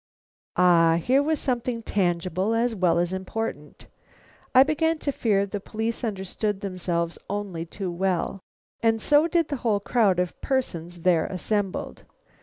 Ah! here was something tangible as well as important. I began to fear the police understood themselves only too well; and so did the whole crowd of persons there assembled.